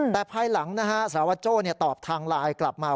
แต่ภายหลังสลาวาโจ้ตอบทางไลน์กลับมา